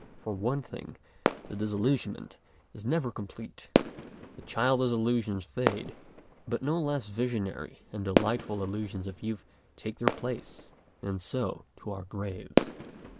For one thing, the disillusionment is never complete. The childish illusions fade, the no less visionary and delightful illusions of youth take their place, and so to our graves.